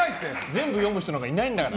全部読む人なんかいないんだから